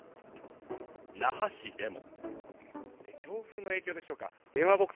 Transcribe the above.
那覇市でも。